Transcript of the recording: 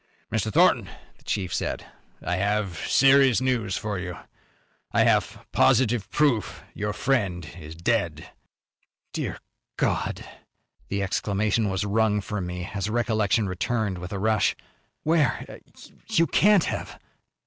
"Mr. Thornton," the chief said, "I have serious news for you. I have positive proof your friend is dead." "Dear God!" The exclamation was wrung from me as recollection returned with a rush. "Where? You can't have!"